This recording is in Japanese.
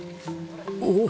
おお！